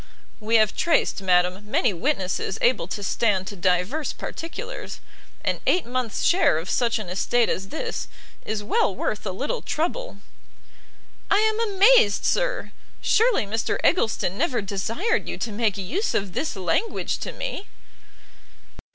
"We have traced, madam, many witnesses able to stand to divers particulars; and eight months share of such an estate as this, is well worth a little trouble." "I am amazed, sir! surely Mr Eggleston never desired you to make use of this language to me?"